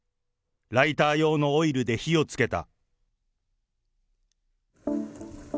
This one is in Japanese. ライター用のオイルで火をつけた。